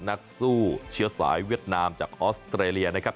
นักสู้เชื้อสายเวียดนามจากออสเตรเลียนะครับ